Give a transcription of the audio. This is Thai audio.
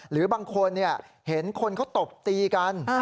หรือบางคนเห็นคนเขาตบตีกัน